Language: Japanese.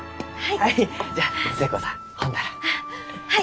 はい。